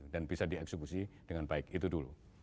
dan bisa dieksekusi dengan baik itu dulu